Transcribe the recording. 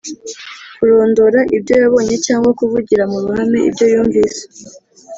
Kurondora ibyo yabonye cyangwa Kuvugira mu ruhame ibyo yumvise